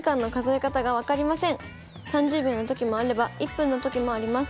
３０秒のときもあれば１分のときもあります。